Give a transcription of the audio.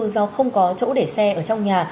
do không có chỗ để xe ở trong nhà